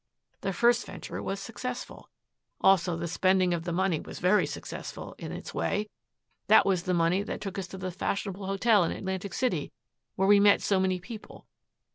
The first venture was successful. Also the spending of the money was very successful, in its way. That was the money that took us to the fashionable hotel in Atlantic City where we met so many people.